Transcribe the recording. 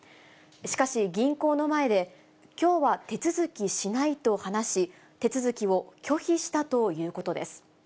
しかし、銀行の前で、きょうは手続きしないと話し、手続きを拒否したということです。